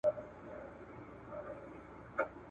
که زه ناروغ نه وایی نو مرسته می درسره کولو.